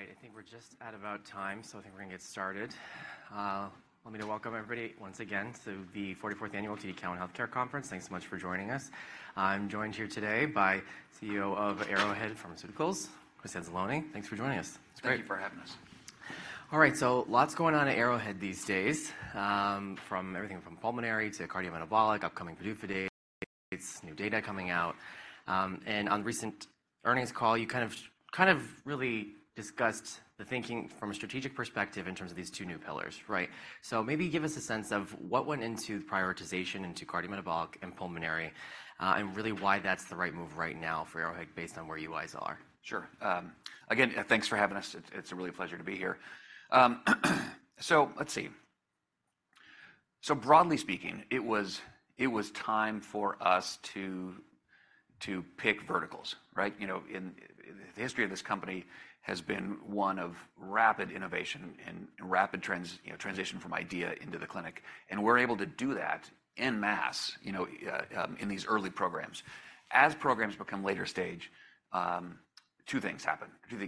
All right, I think we're just at about time, so I think we're gonna get started. Want me to welcome everybody once again to the 44th Annual TD Cowen Healthcare Conference. Thanks so much for joining us. I'm joined here today by CEO of Arrowhead Pharmaceuticals, Chris Anzalone. Thanks for joining us. It's great. Thank you for having us. All right, so lots going on at Arrowhead these days, from everything from pulmonary to cardiometabolic, upcoming PDUFA dates, new data coming out. And on recent earnings call, you kind of, kind of really discussed the thinking from a strategic perspective in terms of these two new pillars, right? So maybe give us a sense of what went into the prioritization into cardiometabolic and pulmonary, and really why that's the right move right now for Arrowhead, based on where you guys are. Sure. Again, thanks for having us. It's a real pleasure to be here. So let's see. So broadly speaking, it was time for us to pick verticals, right? You know, and the history of this company has been one of rapid innovation and rapid transition from idea into the clinic, and we're able to do that en masse, you know, in these early programs. As programs become later stage, two things happen,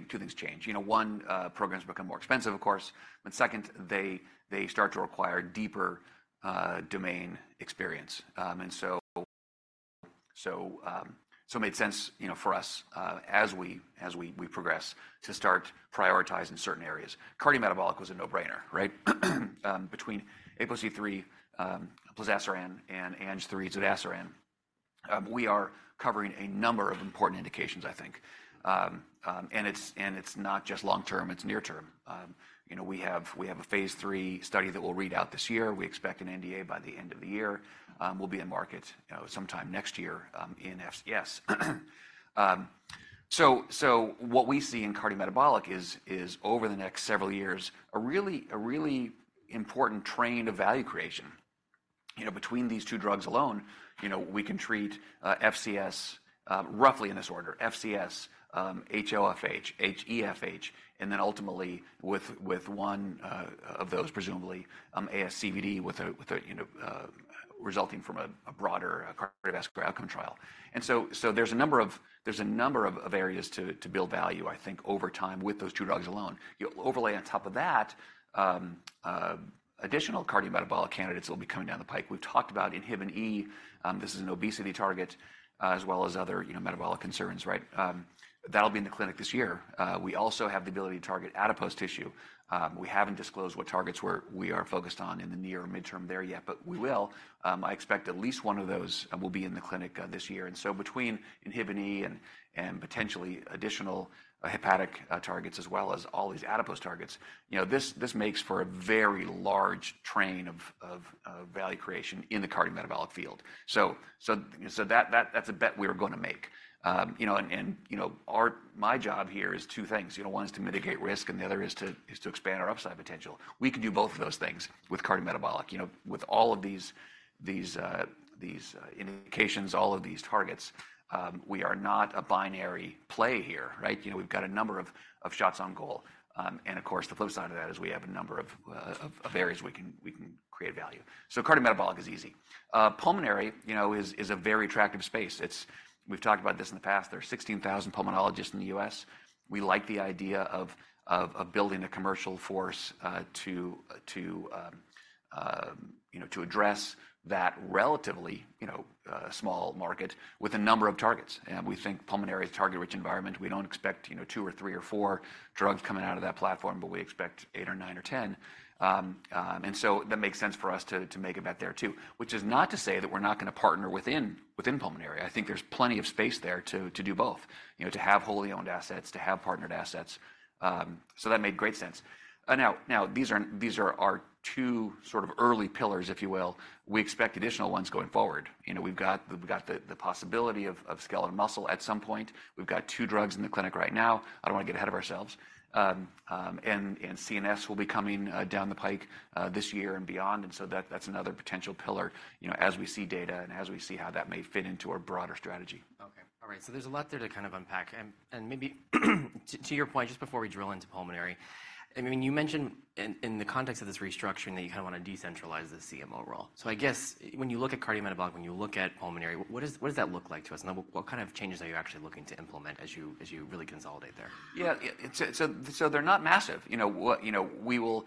two things change. You know, one, programs become more expensive, of course, and second, they start to require deeper domain experience. And so it made sense, you know, for us, as we progress, to start prioritizing certain areas. Cardiometabolic was a no-brainer, right? Between APOC3, plozasiran and ANG3 zodasiran. We are covering a number of important indications, I think. And it's, and it's not just long term, it's near term. You know, we have, we have a phase III study that we'll read out this year. We expect an NDA by the end of the year. We'll be in market, you know, sometime next year, in FCS. So, so what we see in cardiometabolic is, is over the next several years, a really, a really important train of value creation. You know, between these two drugs alone, you know, we can treat, FCS, roughly in this order: FCS, HoFH, HeFH, and then ultimately, with, with one, of those, presumably, ASCVD, with a, with a, you know, resulting from a, a broader cardiovascular outcome trial. So there's a number of areas to build value, I think, over time, with those two drugs alone. You overlay on top of that, additional cardiometabolic candidates will be coming down the pipe. We've talked about Inhibin E, this is an obesity target, as well as other, you know, metabolic concerns, right? That'll be in the clinic this year. We also have the ability to target adipose tissue. We haven't disclosed what targets we are focused on in the near or midterm there yet, but we will. I expect at least one of those will be in the clinic this year. And so between Inhibin E and potentially additional hepatic targets, as well as all these adipose targets, you know, this makes for a very large train of value creation in the cardiometabolic field. So that that's a bet we're gonna make. You know, and my job here is two things. You know, one is to mitigate risk, and the other is to expand our upside potential. We can do both of those things with cardiometabolic. You know, with all of these indications, all of these targets, we are not a binary play here, right? You know, we've got a number of shots on goal. And of course, the flip side of that is we have a number of areas we can create value. So cardiometabolic is easy. Pulmonary, you know, is a very attractive space. It's. We've talked about this in the past. There are 16,000 pulmonologists in the U.S. We like the idea of building a commercial force to address that relatively, you know, small market with a number of targets. And we think pulmonary is a target-rich environment. We don't expect, you know, 2 or 3 or 4 drugs coming out of that platform, but we expect 8 or 9 or 10. And so that makes sense for us to make a bet there, too. Which is not to say that we're not gonna partner within pulmonary. I think there's plenty of space there to do both. You know, to have wholly owned assets, to have partnered assets. So that made great sense. Now, these are our two sort of early pillars, if you will. We expect additional ones going forward. You know, we've got the possibility of skeletal muscle at some point. We've got two drugs in the clinic right now. I don't wanna get ahead of ourselves. And CNS will be coming down the pike this year and beyond, and so that's another potential pillar, you know, as we see data and as we see how that may fit into our broader strategy. Okay. All right, so there's a lot there to kind of unpack. And maybe to your point, just before we drill into pulmonary, I mean, you mentioned in the context of this restructuring that you kinda wanna decentralize the CMO role. So I guess when you look at cardiometabolic, when you look at pulmonary, what does that look like to us? And then what kind of changes are you actually looking to implement as you really consolidate there? Yeah, yeah, so they're not massive. You know, what-- You know, we will...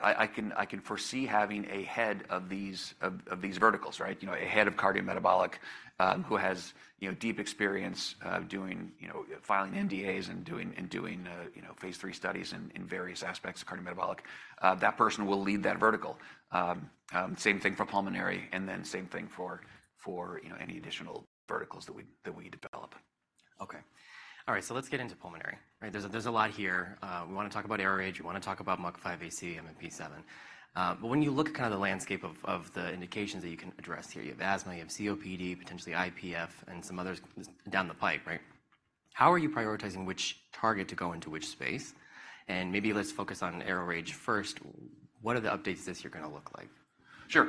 I can foresee having a head of these verticals, right? You know, a head of cardiometabolic, who has, you know, deep experience doing, you know, filing NDAs and doing phase III studies in various aspects of cardiometabolic. That person will lead that vertical. Same thing for pulmonary, and then same thing for, you know, any additional verticals that we develop. Okay. All right, so let's get into pulmonary. Right, there's a, there's a lot here. We wanna talk about ARO-RAGE, we wanna talk about MUC5AC and MMP7. But when you look at kind of the landscape of, of the indications that you can address here, you have asthma, you have COPD, potentially IPF, and some others down the pipe, right? How are you prioritizing which target to go into which space? And maybe let's focus on ARO-RAGE first. What are the updates this year gonna look like? Sure.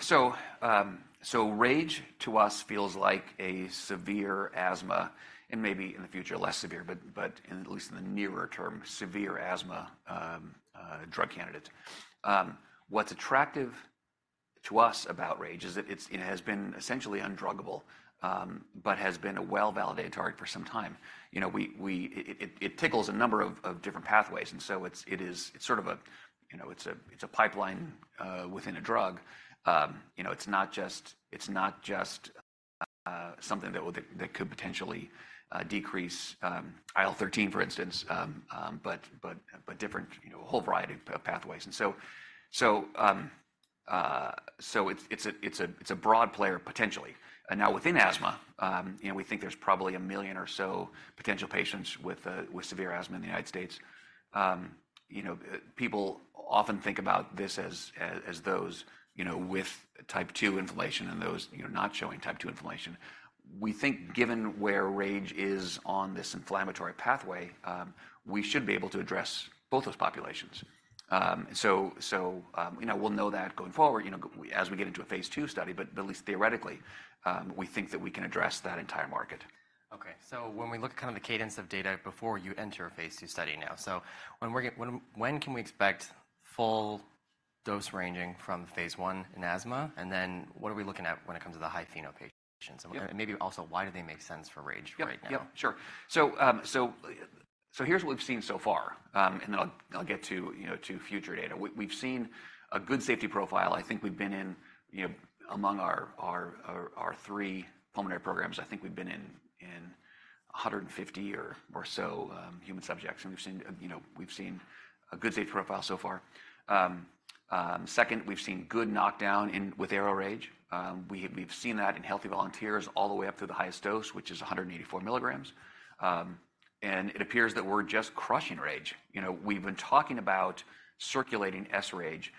So, RAGE, to us, feels like a severe asthma, and maybe in the future, less severe, but in the nearer term, severe asthma drug candidate. What's attractive to us about RAGE is that it's essentially undruggable, but has been a well-validated target for some time. You know, it tickles a number of different pathways, and so it's sort of a pipeline within a drug. You know, it's not just something that could potentially decrease IL-13, for instance, but different, a whole variety of pathways. And so, it's a broad player potentially. Now, within asthma, you know, we think there's probably 1 million or so potential patients with severe asthma in the United States. You know, people often think about this as those, you know, with type 2 inflammation and those, you know, not showing type 2 inflammation. We think, given where RAGE is on this inflammatory pathway, we should be able to address both those populations. So, you know, we'll know that going forward, you know, as we get into a phase 2 study, but at least theoretically, we think that we can address that entire market. Okay, so when we look at kind of the cadence of data before you enter a phase 2 study now, so when we're – when, when can we expect full dose ranging from phase 1 in asthma, and then what are we looking at when it comes to the high FeNO patients? Yeah. Maybe also, why do they make sense for RAGE right now? Yep, yep, sure. So, so here's what we've seen so far, and then I'll, I'll get to, you know, to future data. We've seen a good safety profile. I think we've been in, you know, among our, our, our, our three pulmonary programs, I think we've been in, in 150 or, or so, human subjects, and we've seen, you know, we've seen a good safety profile so far. Second, we've seen good knockdown with ARO-RAGE. We've seen that in healthy volunteers all the way up through the highest dose, which is 184 milligrams. And it appears that we're just crushing RAGE. You know, we've been talking about circulating sRAGE,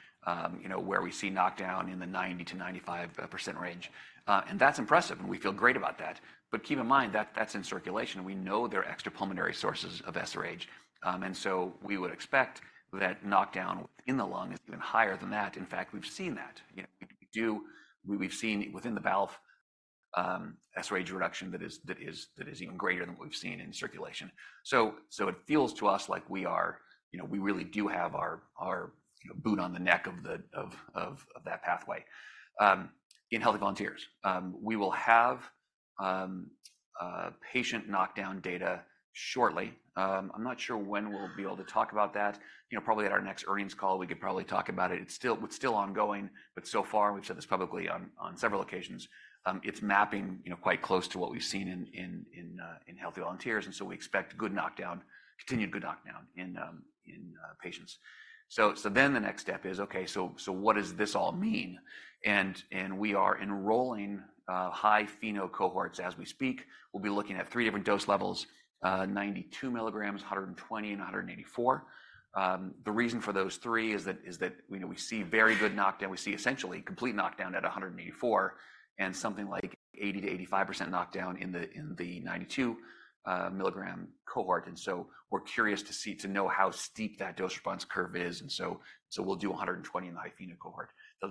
you know, where we see knockdown in the 90%-95% range. That's impressive, and we feel great about that. But keep in mind that that's in circulation, and we know there are extra-pulmonary sources of sRAGE. So we would expect that knockdown in the lung is even higher than that. In fact, we've seen that. You know, we've seen within the BAL sRAGE reduction that is even greater than what we've seen in circulation. So it feels to us like we are, you know, we really do have our boot on the neck of that pathway in healthy volunteers. We will have patient knockdown data shortly. I'm not sure when we'll be able to talk about that. You know, probably at our next earnings call, we could probably talk about it. It's still ongoing, but so far, we've said this publicly on several occasions, it's mapping, you know, quite close to what we've seen in healthy volunteers, and so we expect good knockdown, continued good knockdown in patients. So then the next step is, okay, so what does this all mean? And we are enrolling high FeNO cohorts as we speak. We'll be looking at three different dose levels, 92 milligrams, 120, and 184. The reason for those three is that, you know, we see very good knockdown. We see essentially complete knockdown at 184, and something like 80%-85% knockdown in the 92 milligram cohort. And so we're curious to see, to know how steep that dose response curve is, and so we'll do 120 in the high FeNO cohort.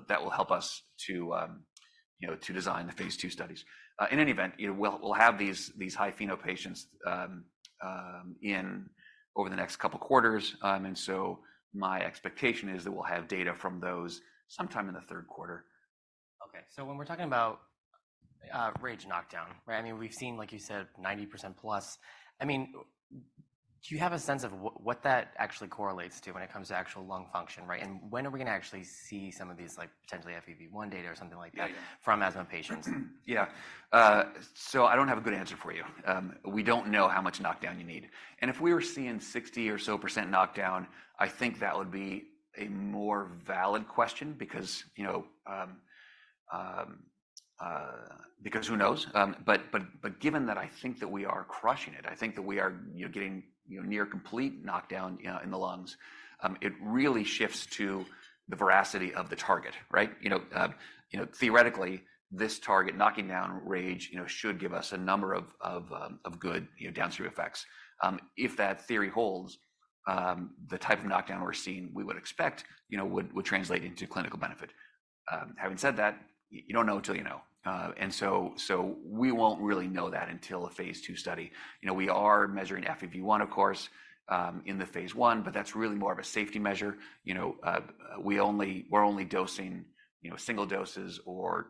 That will help us to, you know, to design the phase 2 studies. In any event, you know, we'll have these high FeNO patients in over the next couple quarters. And so my expectation is that we'll have data from those sometime in the third quarter. Okay, so when we're talking about RAGE knockdown, right? I mean, we've seen, like you said, 90%+. I mean, do you have a sense of what that actually correlates to when it comes to actual lung function, right? And when are we gonna actually see some of these, like, potentially FEV1 data or something like that- Yeah, yeah From asthma patients? Yeah. So I don't have a good answer for you. We don't know how much knockdown you need, and if we were seeing 60% or so knockdown, I think that would be a more valid question because, you know, because who knows? But given that I think that we are crushing it, I think that we are, you know, getting, you know, near complete knockdown, you know, in the lungs, it really shifts to the veracity of the target, right? You know, theoretically, this target, knocking down RAGE, you know, should give us a number of, of good, you know, downstream effects. If that theory holds, the type of knockdown we're seeing, we would expect, you know, would translate into clinical benefit. Having said that, you don't know until you know. And so we won't really know that until a phase 2 study. You know, we are measuring FEV1, of course, in the phase 1, but that's really more of a safety measure. You know, we're only dosing, you know, single doses or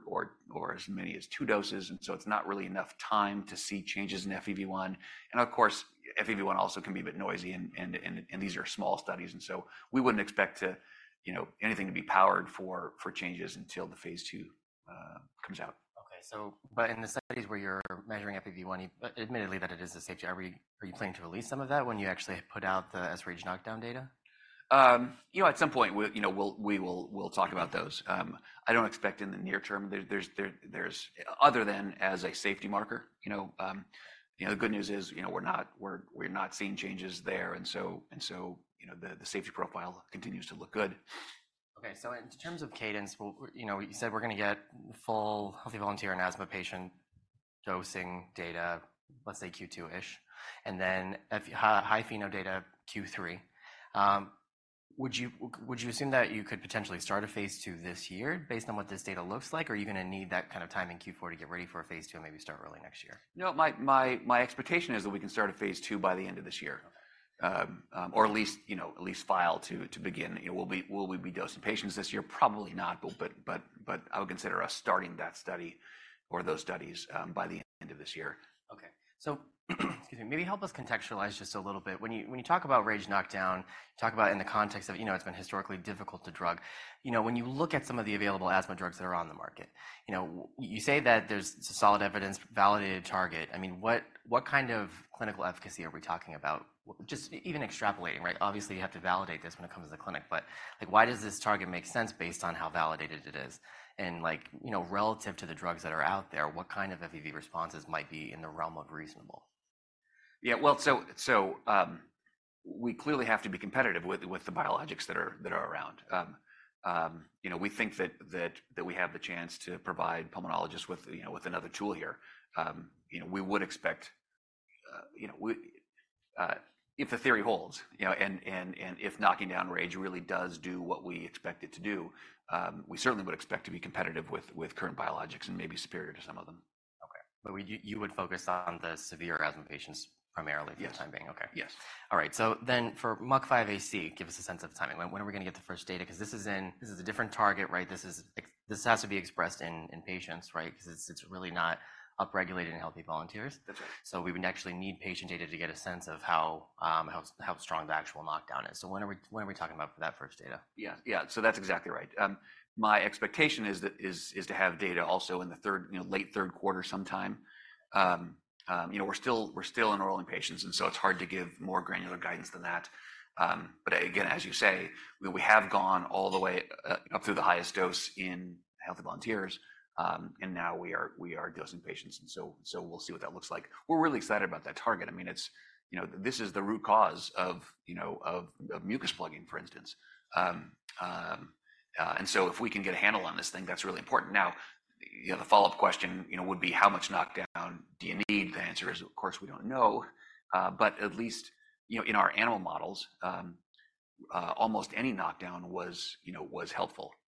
as many as 2 doses, and so it's not really enough time to see changes in FEV1. And of course, FEV1 also can be a bit noisy, and these are small studies, and so we wouldn't expect to, you know, anything to be powered for changes until the phase 2 comes out. Okay, so but in the studies where you're measuring FEV1, admittedly, that it is a safety, are we, are you planning to release some of that when you actually put out the sRAGE knockdown data? You know, at some point, we'll talk about those. I don't expect in the near term there's other than as a safety marker, you know, the good news is, you know, we're not seeing changes there, and so, you know, the safety profile continues to look good. Okay, so in terms of cadence, well, you know, you said we're gonna get full healthy volunteer and asthma patient dosing data, let's say Q2-ish, and then high FeNO data Q3. Would you assume that you could potentially start a phase 2 this year based on what this data looks like, or are you gonna need that kind of time in Q4 to get ready for a phase 2 and maybe start early next year? No, my expectation is that we can start a phase 2 by the end of this year, or at least, you know, at least file to begin. Will we be dosing patients this year? Probably not, but I would consider us starting that study or those studies by the end of this year. Okay. So, excuse me, maybe help us contextualize just a little bit. When you, when you talk about RAGE knockdown, you talk about it in the context of, you know, it's been historically difficult to drug. You know, when you look at some of the available asthma drugs that are on the market, you know, you say that there's solid evidence, validated target. I mean, what, what kind of clinical efficacy are we talking about? Just even extrapolating, right? Obviously, you have to validate this when it comes to the clinic, but, like, why does this target make sense based on how validated it is? And like, you know, relative to the drugs that are out there, what kind of FEV responses might be in the realm of reasonable? Yeah, well, so we clearly have to be competitive with the biologics that are around. You know, we think that we have the chance to provide pulmonologists with, you know, with another tool here. You know, we would expect, if the theory holds, you know, and if knocking down RAGE really does do what we expect it to do, we certainly would expect to be competitive with current biologics and maybe superior to some of them. Okay. But you would focus on the severe asthma patients primarily. Yes. For the time being. Okay. Yes. All right. So then for MUC5AC, give us a sense of timing. When are we gonna get the first data? 'Cause this is a different target, right? This has to be expressed in patients, right? 'Cause it's really not upregulated in healthy volunteers. That's right. So we would actually need patient data to get a sense of how strong the actual knockdown is. So when are we talking about for that first data? Yeah. Yeah. So that's exactly right. My expectation is to have data also in the third, you know, late third quarter sometime. You know, we're still enrolling patients, and so it's hard to give more granular guidance than that. But again, as you say, we have gone all the way up through the highest dose in healthy volunteers, and now we are dosing patients, and so we'll see what that looks like. We're really excited about that target. I mean, it's... You know, this is the root cause of, you know, of mucus plugging, for instance. And so if we can get a handle on this thing, that's really important. Now, you know, the follow-up question, you know, would be, how much knockdown do you need? The answer is, of course, we don't know, but at least, you know, in our animal models, almost any knockdown was, you know, was helpful. You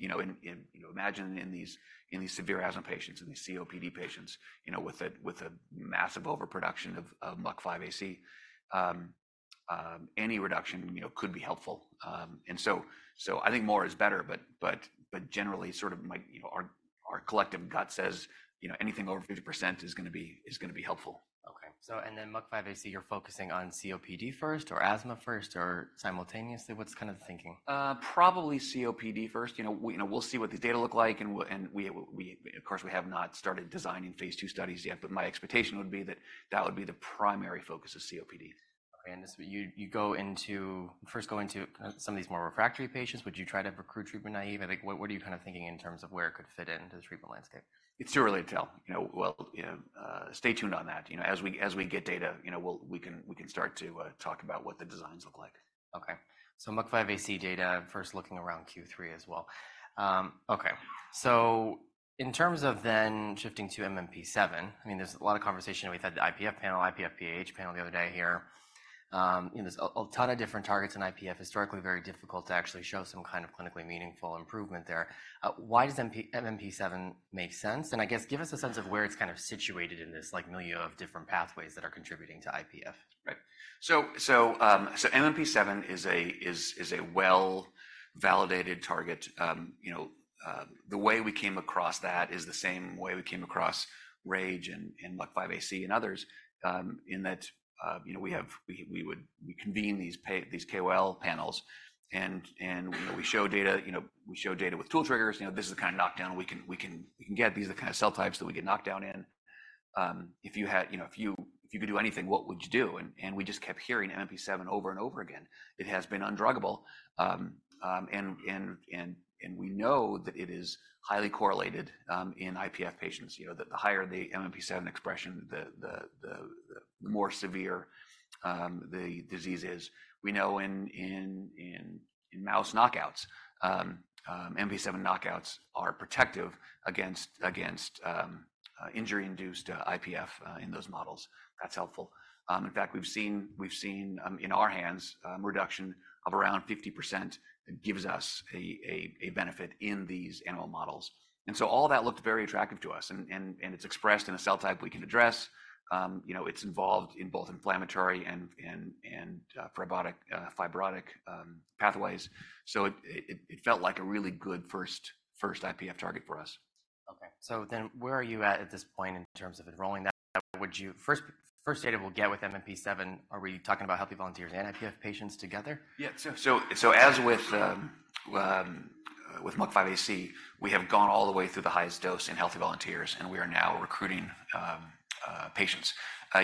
know, and you know, imagine in these severe asthma patients, in these COPD patients, you know, with a massive overproduction of MUC5AC, any reduction, you know, could be helpful. And so I think more is better, but generally, sort of my, you know, our collective gut says, you know, anything over 50% is gonna be helpful. Okay. So and then MUC5AC, you're focusing on COPD first or asthma first or simultaneously? What's kind of the thinking? Probably COPD first. You know, we, you know, we'll see what the data look like, and of course, we have not started designing phase II studies yet, but my expectation would be that that would be the primary focus of COPD. You, you go into, first go into some of these more refractory patients. Would you try to recruit treatment-naïve? I think, what, what are you kind of thinking in terms of where it could fit into the treatment landscape? It's too early to tell. You know, we'll stay tuned on that. You know, as we get data, you know, we can start to talk about what the designs look like. Okay. So MUC5AC data, first looking around Q3 as well. Okay, so in terms of then shifting to MMP7, I mean, there's a lot of conversation. We've had the IPF panel, IPF-PH panel the other day here. You know, there's a ton of different targets in IPF, historically very difficult to actually show some kind of clinically meaningful improvement there. Why does MMP7 make sense? And I guess give us a sense of where it's kind of situated in this, like, milieu of different pathways that are contributing to IPF. Right. So MMP7 is a well-validated target. You know, the way we came across that is the same way we came across RAGE and MUC5AC and others, in that, you know, we would convene these KOL panels, and, you know, we show data, you know, we show data with tool triggers. You know, this is the kind of knockdown we can get. These are the kind of cell types that we get knockdown in. You know, if you could do anything, what would you do? And we just kept hearing MMP7 over and over again. It has been undruggable. And we know that it is highly correlated in IPF patients. You know that the higher the MMP7 expression, the more severe the disease is. We know in mouse knockouts, MMP7 knockouts are protective against injury-induced IPF in those models. That's helpful. In fact, we've seen in our hands, reduction of around 50% gives us a benefit in these animal models. And so all that looked very attractive to us, and it's expressed in a cell type we can address. You know, it's involved in both inflammatory and fibrotic pathways. So it felt like a really good first IPF target for us. Okay. So then where are you at, at this point in terms of enrolling that? Would you... First, first data we'll get with MMP7, are we talking about healthy volunteers and IPF patients together? Yeah. So as with MUC5AC, we have gone all the way through the highest dose in healthy volunteers, and we are now recruiting patients.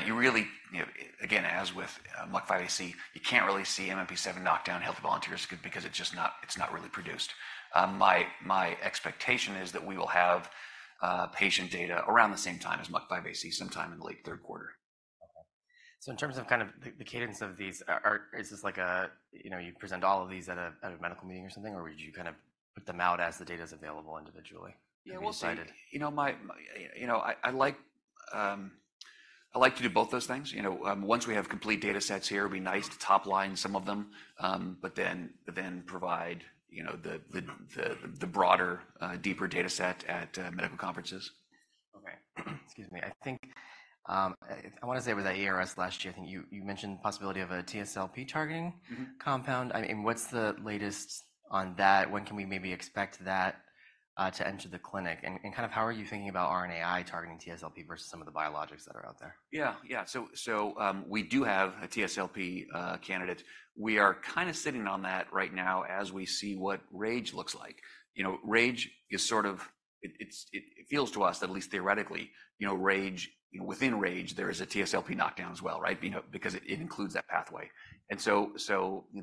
You really, you know, again, as with MUC5AC, you can't really see MMP7 knockdown in healthy volunteers because it's just not really produced. My expectation is that we will have patient data around the same time as MUC5AC, sometime in the late third quarter. Okay. So in terms of kind of the cadence of these, is this like a, you know, you present all of these at a medical meeting or something, or would you kind of put them out as the data is available individually? Yeah, we'll see. Decided. You know, I like to do both those things. You know, once we have complete data sets here, it'd be nice to top line some of them, but then provide, you know, the broader, deeper data set at medical conferences. Excuse me. I think, I wanna say it was at ERS last year, I think you mentioned the possibility of a TSLP-targeting- Mm-hmm. Compound. I mean, what's the latest on that? When can we maybe expect that to enter the clinic? And kind of how are you thinking about RNAi targeting TSLP versus some of the biologics that are out there? Yeah, yeah. So, we do have a TSLP candidate. We are kind of sitting on that right now as we see what RAGE looks like. You know, RAGE is sort of. It feels to us, at least theoretically, you know, RAGE, within RAGE, there is a TSLP knockdown as well, right? You know, because it includes that pathway. And so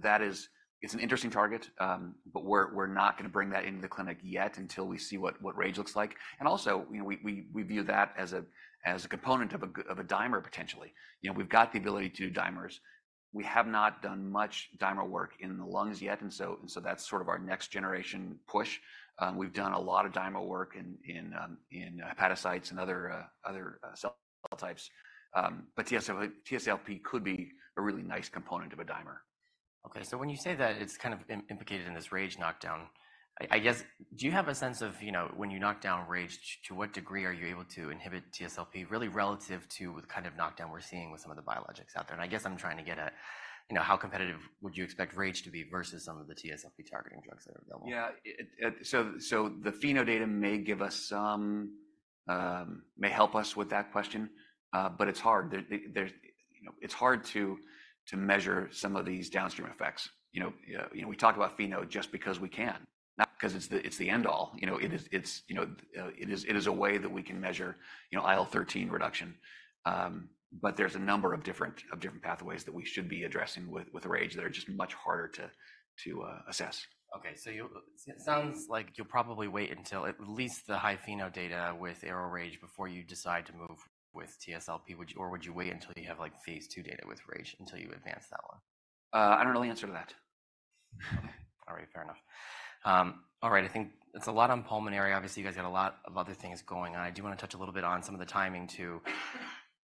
that is, it's an interesting target, but we're not gonna bring that into the clinic yet until we see what RAGE looks like. And also, you know, we view that as a component of a good, of a dimer, potentially. You know, we've got the ability to do dimers. We have not done much dimer work in the lungs yet, and so that's sort of our next-generation push. We've done a lot of dimer work in hepatocytes and other cell types. But TSLP could be a really nice component of a dimer. Okay, so when you say that, it's kind of implicated in this RAGE knockdown, I guess, do you have a sense of, you know, when you knock down RAGE, to what degree are you able to inhibit TSLP, really relative to the kind of knockdown we're seeing with some of the biologics out there? And I guess I'm trying to get at, you know, how competitive would you expect RAGE to be versus some of the TSLP-targeting drugs that are available? Yeah.So the FeNO data may give us some, may help us with that question, but it's hard. There's, you know, it's hard to measure some of these downstream effects. You know, you know, we talk about FeNO just because we can, not because it's the end all. You know, it is, it's... You know, it is, it is a way that we can measure, you know, IL-13 reduction. But there's a number of different pathways that we should be addressing with RAGE that are just much harder to assess. Okay, so you- Uh- It sounds like you'll probably wait until at least the high FeNO data with ARO-RAGE before you decide to move with TSLP. Or would you wait until you have, like, phase II data with RAGE until you advance that one? I don't know the answer to that. All right. Fair enough. All right. I think it's a lot on pulmonary. Obviously, you guys got a lot of other things going on. I do wanna touch a little bit on some of the timing to,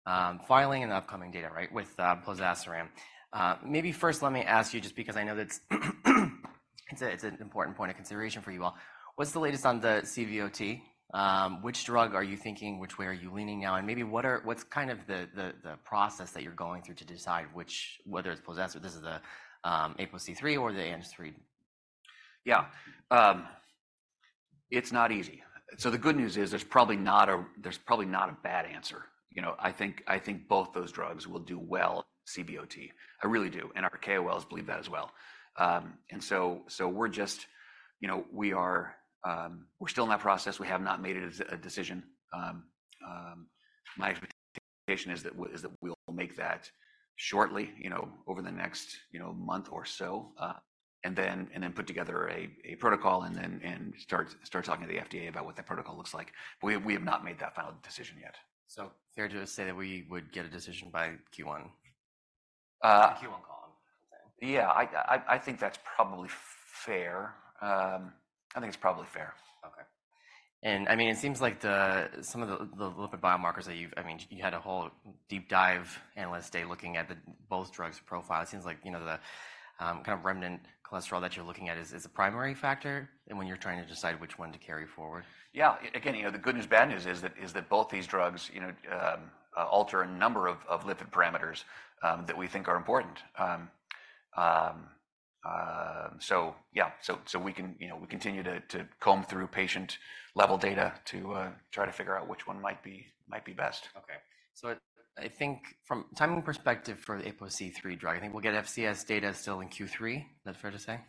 filing and the upcoming data, right, with, plozasiran. Maybe first let me ask you, just because I know that's, it's a, it's an important point of consideration for you all: What's the latest on the CVOT? Which drug are you thinking? Which way are you leaning now? And maybe what's kind of the, the, the process that you're going through to decide which... whether it's plozasiran, this is the, APOC3 or the ANG3? Yeah. It's not easy. So the good news is, there's probably not a bad answer, you know? I think both those drugs will do well, CVOT. I really do, and our KOLs believe that as well. And so we're just... You know, we are, we're still in that process. We have not made a decision. My expectation is that we'll make that shortly, you know, over the next month or so, and then put together a protocol and then start talking to the FDA about what that protocol looks like. But we have not made that final decision yet. So fair to say that we would get a decision by Q1? Uh- Q1 column. Yeah, I think that's probably fair. I think it's probably fair. Okay. And, I mean, it seems like some of the lipid biomarkers that you've I mean, you had a whole deep dive analyst day looking at both drugs' profile. It seems like, you know, the kind of remnant cholesterol that you're looking at is a primary factor and when you're trying to decide which one to carry forward. Yeah. Again, you know, the good news, bad news is that both these drugs, you know, alter a number of lipid parameters that we think are important. So yeah. You know, we continue to comb through patient-level data to try to figure out which one might be best. Okay. So I, I think from a timing perspective for the APOC3 drug, I think we'll get FCS data still in Q3. Is that fair to say?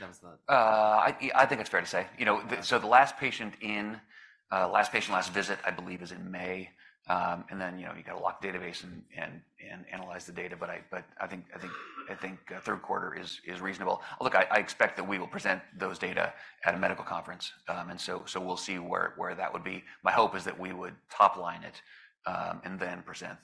That was the- Yeah, I think it's fair to say. You know, the- Yeah. So the last patient in, last patient, last visit, I believe, is in May. And then, you know, you've got to lock database and analyze the data. But I think third quarter is reasonable. Look, I expect that we will present those data at a medical conference. And so we'll see where that would be. My hope is that we would topline it, and then present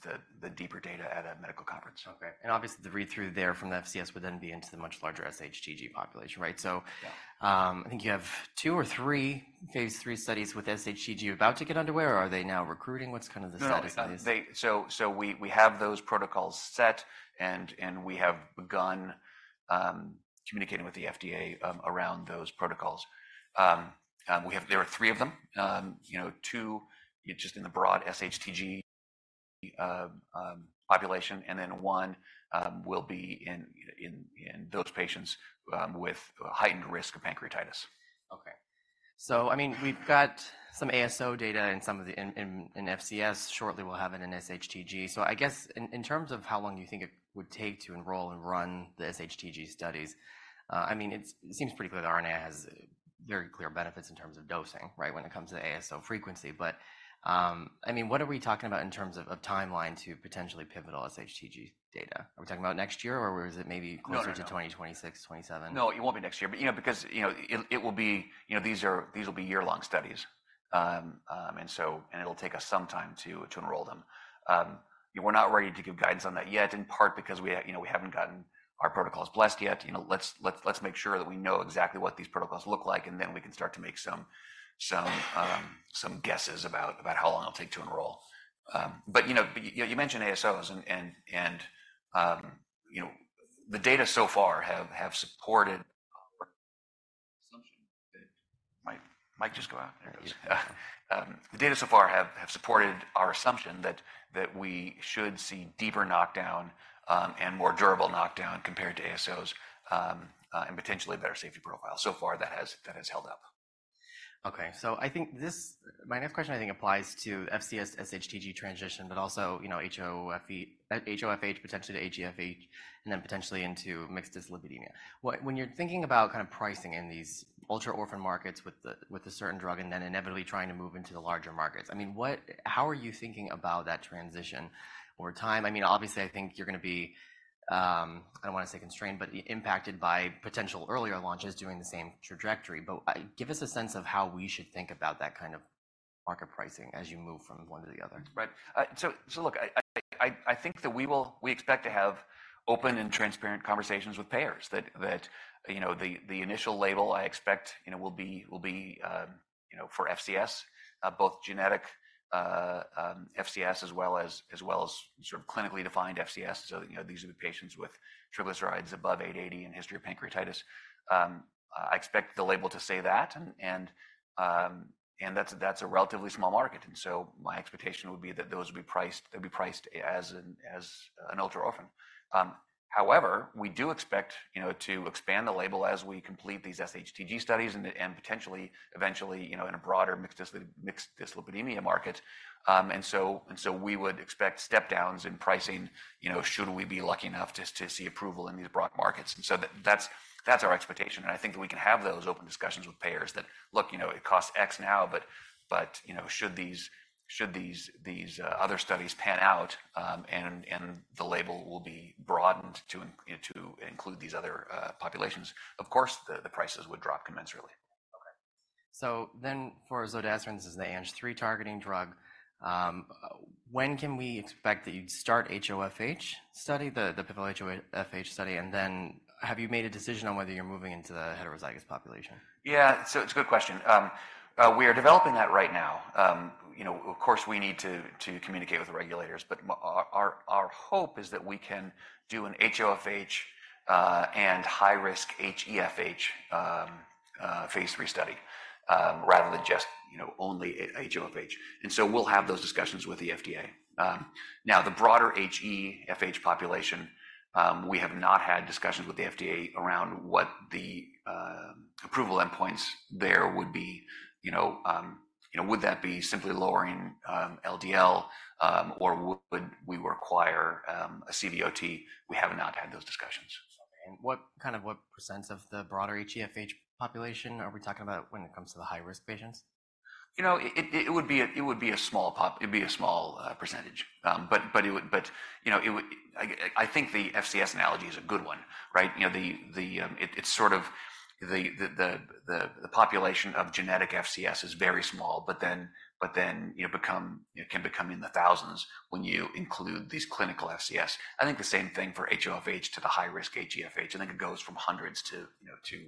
the deeper data at a medical conference. Okay. And obviously, the read-through there from the FCS would then be into the much larger SHTG population, right? So- Yeah. I think you have two or three phase III studies with SHTG about to get underway, or are they now recruiting? What's kind of the status on these? No, so we have those protocols set, and we have begun communicating with the FDA around those protocols. There are three of them. You know, two just in the broad SHTG population, and then one will be in those patients with a heightened risk of pancreatitis. Okay. So I mean, we've got some ASO data and some in FCS. Shortly, we'll have it in SHTG. So I guess in terms of how long you think it would take to enroll and run the SHTG studies. I mean, it seems pretty clear that RNA has very clear benefits in terms of dosing, right, when it comes to ASO frequency. But I mean, what are we talking about in terms of timeline to potentially pivotal SHTG data? Are we talking about next year, or is it maybe- No, no, no. Closer to 2026, 2027? No, it won't be next year. But, you know, because, you know, it will be. You know, these will be year-long studies. And it'll take us some time to enroll them. We're not ready to give guidance on that yet, in part because we, you know, we haven't gotten our protocols blessed yet. You know, let's make sure that we know exactly what these protocols look like, and then we can start to make some guesses about how long it'll take to enroll. But, you know, you mentioned ASOs, and the data so far have supported... Did my mic just go out? There it goes. The data so far have supported our assumption that we should see deeper knockdown, and more durable knockdown compared to ASOs, and potentially a better safety profile. So far, that has held up. Okay, so I think my next question, I think, applies to FCS SHTG transition, but also, you know, HoFH, potentially to HeFH, and then potentially into mixed dyslipidemia. When you're thinking about kind of pricing in these ultra-orphan markets with the, with a certain drug and then inevitably trying to move into the larger markets, I mean, what- how are you thinking about that transition over time? I mean, obviously, I think you're gonna be, I don't want to say constrained, but impacted by potential earlier launches doing the same trajectory. But, give us a sense of how we should think about that kind of market pricing as you move from one to the other. Right. So, so look, I think that we expect to have open and transparent conversations with payers that, you know, the initial label I expect, you know, will be for FCS, both genetic FCS, as well as sort of clinically defined FCS. So, you know, these are the patients with triglycerides above 880 and history of pancreatitis. I expect the label to say that, and that's a relatively small market. And so my expectation would be that those will be priced—they'll be priced as an ultra orphan. However, we do expect, you know, to expand the label as we complete these SHTG studies and potentially, eventually, you know, in a broader mixed dyslipidemia market. And so, and so we would expect step downs in pricing, you know, should we be lucky enough to, to see approval in these broad markets. And so that's, that's our expectation, and I think that we can have those open discussions with payers that, look, you know, it costs X now, but, but, you know, should these, should these, these other studies pan out, and, and the label will be broadened to in- to include these other populations, of course, the, the prices would drop commensurately. Okay. So then for zodasiran, this is the ANG3 targeting drug. When can we expect that you'd start HoFH study, the, the pivotal HoFH study? And then, have you made a decision on whether you're moving into the heterozygous population? Yeah. So it's a good question. We are developing that right now. You know, of course, we need to communicate with the regulators, but our hope is that we can do a HoFH and high-risk HeFH phase III study, rather than just, you know, only HoFH. And so we'll have those discussions with the FDA. Now, the broader HeFH population, we have not had discussions with the FDA around what the approval endpoints there would be. You know, would that be simply lowering LDL, or would we require a CVOT? We have not had those discussions. Okay. And kind of what percents of the broader HeFH population are we talking about when it comes to the high-risk patients? You know, it would be a small pop... It'd be a small percentage. But, you know, it would- I think the FCS analogy is a good one, right? You know, it's sort of the population of genetic FCS is very small, but then, you know, it can become in the thousands when you include these clinical FCS. I think the same thing for HoFH to the high-risk HeFH, I think it goes from hundreds to, you know, to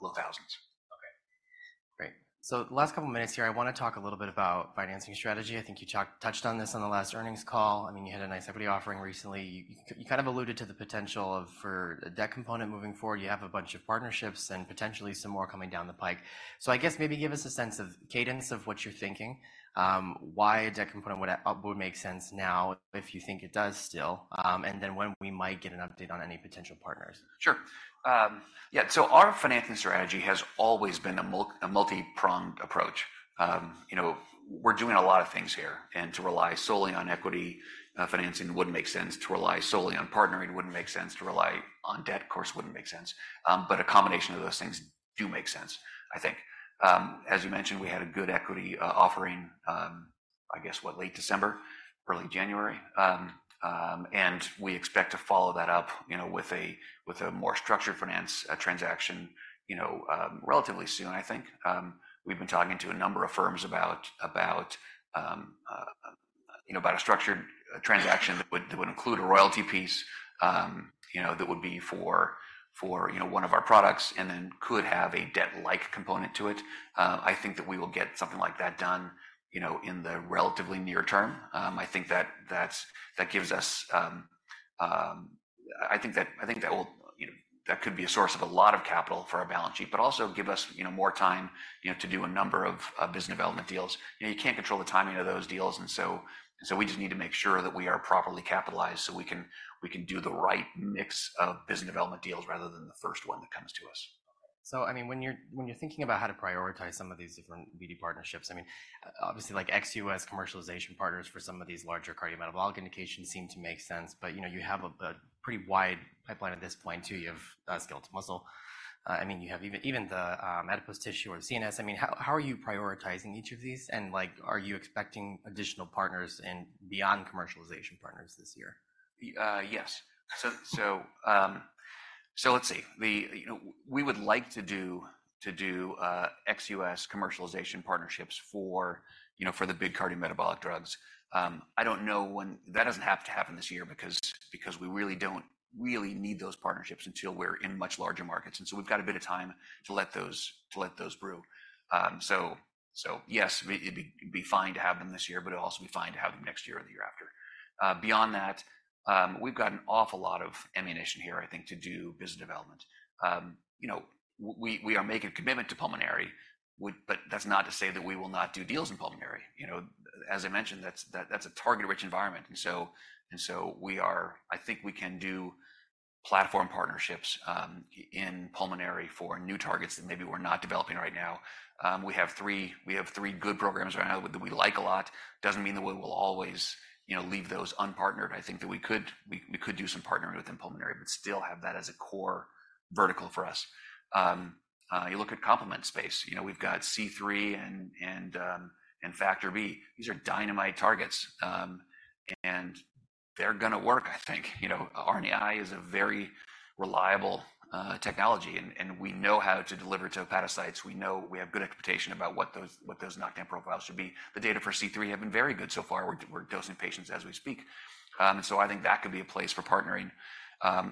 low thousands. Okay, great. So the last couple minutes here, I want to talk a little bit about financing strategy. I think you touched on this on the last earnings call. I mean, you had a nice equity offering recently. You, you kind of alluded to the potential of, for a debt component moving forward. You have a bunch of partnerships and potentially some more coming down the pike. So I guess maybe give us a sense of cadence of what you're thinking, why a debt component would, would make sense now, if you think it does still, and then when we might get an update on any potential partners. Sure. Yeah, so our financing strategy has always been a multipronged approach. You know, we're doing a lot of things here, and to rely solely on equity financing wouldn't make sense. To rely solely on partnering wouldn't make sense. To rely on debt, of course, wouldn't make sense. But a combination of those things do make sense, I think. As you mentioned, we had a good equity offering, I guess, what, late December, early January. And we expect to follow that up, you know, with a more structured finance transaction, you know, relatively soon, I think. We've been talking to a number of firms about, about, you know, about a structured transaction that would, that would include a royalty piece, you know, that would be for, for, you know, one of our products, and then could have a debt-like component to it. I think that we will get something like that done, you know, in the relatively near term. I think that that's- that gives us... I think that, I think that will, you know, that could be a source of a lot of capital for our balance sheet, but also give us, you know, more time, you know, to do a number of business development deals. You know, you can't control the timing of those deals, and so, and so we just need to make sure that we are properly capitalized so we can, we can do the right mix of business development deals rather than the first one that comes to us. So, I mean, when you're thinking about how to prioritize some of these different BD partnerships, I mean, obviously, like ex-US commercialization partners for some of these larger cardiometabolic indications seem to make sense, but, you know, you have a pretty wide pipeline at this point, too. You have skeletal muscle, I mean, you have even the adipose tissue or CNS. I mean, how are you prioritizing each of these, and like, are you expecting additional partners and beyond commercialization partners this year? Yes. So, let's see. You know, we would like to do ex-US commercialization partnerships for, you know, for the big cardiometabolic drugs. That doesn't have to happen this year because we really don't need those partnerships until we're in much larger markets, and so we've got a bit of time to let those brew. So, yes, it'd be fine to have them this year, but it'll also be fine to have them next year or the year after. Beyond that, we've got an awful lot of ammunition here, I think, to do business development. You know, we are making a commitment to pulmonary, but that's not to say that we will not do deals in pulmonary. You know, as I mentioned, that's a target-rich environment. And so we are. I think we can do platform partnerships in pulmonary for new targets that maybe we're not developing right now. We have three, we have three good programs right now that we like a lot. Doesn't mean that we will always, you know, leave those unpartnered. I think that we could do some partnering within pulmonary, but still have that as a core vertical for us. You look at complement space, you know, we've got C3 and Factor B. These are dynamite targets, and they're gonna work, I think. You know, RNAi is a very reliable technology, and we know how to deliver to hepatocytes. We know we have good expectation about what those knockdown profiles should be. The data for C3 have been very good so far. We're dosing patients as we speak. And so I think that could be a place for partnering.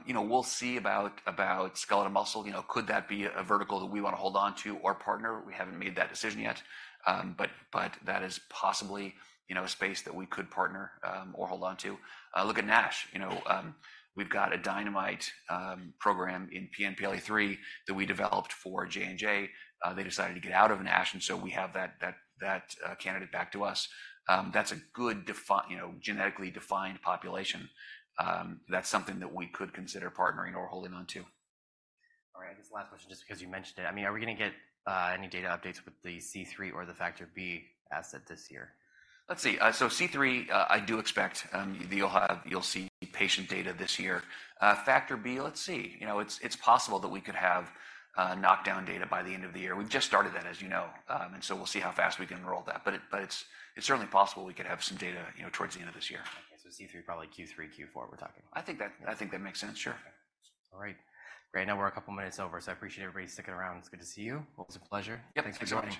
You know, we'll see about skeletal muscle. You know, could that be a vertical that we wanna hold on to or partner? We haven't made that decision yet. But that is possibly, you know, a space that we could partner, or hold on to. Look at NASH. You know, we've got a dynamite program in PNPLA3 that we developed for J&J. They decided to get out of NASH, and so we have that candidate back to us. That's a good defined, you know, genetically defined population. That's something that we could consider partnering or holding on to. All right. I guess last question, just because you mentioned it. I mean, are we gonna get, any data updates with the C3 or the Factor B asset this year? Let's see. So C3, I do expect you'll see patient data this year. Factor B, let's see. You know, it's possible that we could have knockdown data by the end of the year. We've just started that, as you know, and so we'll see how fast we can enroll that. But it's certainly possible we could have some data, you know, towards the end of this year. Okay, so C3, probably Q3, Q4, we're talking. I think that, I think that makes sense, sure. All right. Great, now we're a couple minutes over, so I appreciate everybody sticking around. It's good to see you. Always a pleasure. Yep. Thanks for joining.